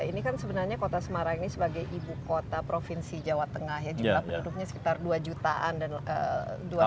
ini kan sebenarnya kota semarang ini sebagai ibukota provinsi jawa tengah ya juga penduduknya sekitar dua jutaan dan dua lima jutaan